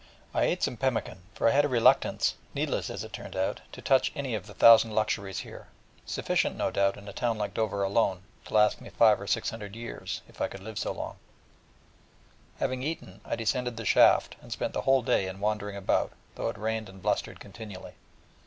I ate some pemmican, for I had a reluctance needless as it turned out to touch any of the thousand luxuries here, sufficient no doubt, in a town like Dover alone, to last me five or six hundred years, if I could live so long; and, having eaten, I descended The Shaft, and spent the whole day, though it rained and blustered continually, in wandering about.